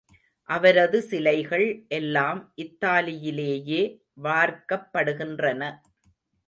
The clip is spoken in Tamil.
அவரது சிலைகள் எல்லாம் இத்தாலியிலேயே வார்க்கப்படுகின்றன.